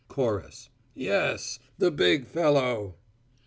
Chorus: "Yes, the big fellow!"